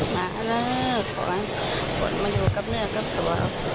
มาแล้วฝนมาอยู่กับเนี่ยกับตัว๖๓๓๒